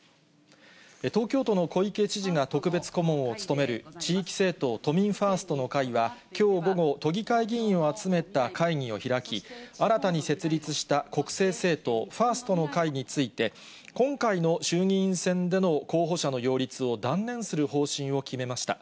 東京都の小池知事が特別顧問を務める地域政党、都民ファーストの会は、きょう午後、都議会議員を集めた会議を開き、新たに設立した国政政党、ファーストの会について、今回の衆議院選での候補者の擁立を断念する方針を決めました。